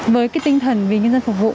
với cái tinh thần vì nhân dân phục vụ